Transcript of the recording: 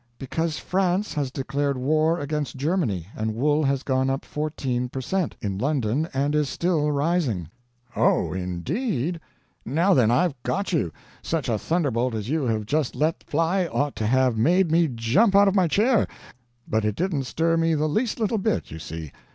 "Because France has declared war against Germany, and wool has gone up fourteen per cent. in London and is still rising." "Oh, in deed? Now then, I've got you! Such a thunderbolt as you have just let fly ought to have made me jump out of my chair, but it didn't stir me the least little bit, you see.